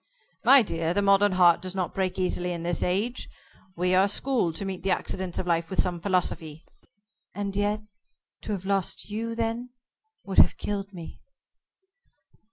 "My dear, the modern heart does not break easily in this age. We are schooled to meet the accidents of life with some philosophy." "And yet to have lost you then, would have killed me."